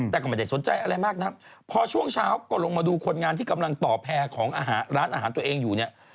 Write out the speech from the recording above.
แต่ก็ไม่ได้สนใจอะไรมากนักพอช่วงเช้าก็ลงมาดูคนงานที่กำลังต่อแพร่ของอาหารร้านอาหารตัวเองอยู่เนี่ย